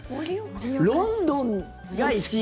ロンドンが１位。